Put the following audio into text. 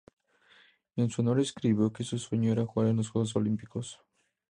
En su anuario escribió que su sueño era jugar en los Juegos Olímpicos.